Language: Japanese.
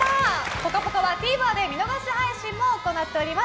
「ぽかぽか」はＴＶｅｒで見逃し配信も行っています。